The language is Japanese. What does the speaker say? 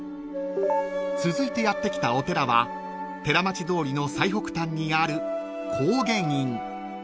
［続いてやって来たお寺は寺町通りの最北端にある］